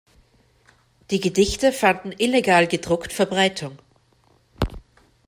Die Gedichte fanden illegal gedruckt Verbreitung.